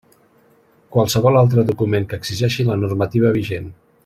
Qualsevol altre document que exigeixi la normativa vigent.